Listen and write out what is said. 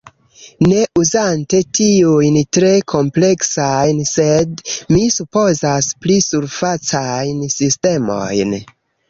ne uzante tiujn tre kompleksajn, sed, mi supozas, pli surfacajn sistemojn.